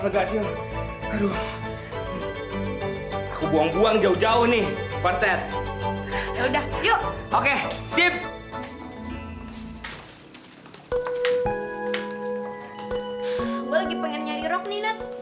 gue lagi pengen nyari rok nih nat